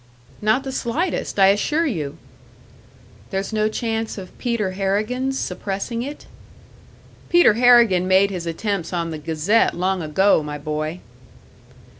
"Not the slightest, I assure you." "There's no chance of Peter Harrigan's suppressing it?" "Peter Harrigan made his attempts on the Gazette long ago, my boy."